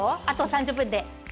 あと３０分で。